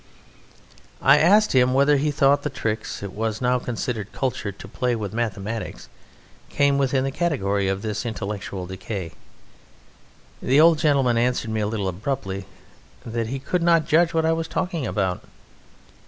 I asked him whether he thought the tricks it was now considered cultured to play with mathematics came within the category of this intellectual decay. The old gentleman answered me a little abruptly that he could not judge what I was talking about.